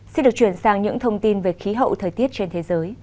xin được chuyển sang những thông tin về khí hậu thời tiết trên thế giới